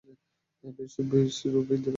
বিশ রূপি ফেরত দে।